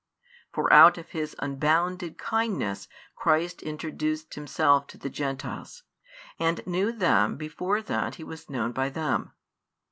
For out of His unbounded kindness Christ introduced Himself to the Gentiles, and knew them before that He was known by them.